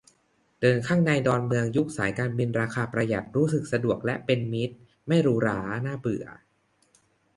เดินข้างในดอนเมืองยุคสายการบินราคาประหยัด รู้สึกสะดวกและเป็นมิตร ไม่หรูหราน่าเบื่อ